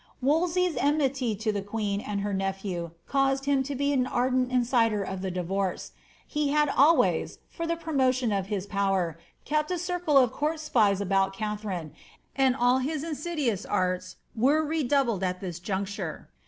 Wolsey^d enmity to the queen and her n(>phew caused him to be an ardent inciter of the divorce; he had always, for the promotion of his power, kept a circle of court spies about Katharine, and all his insidious arts were redoubled at this juncture.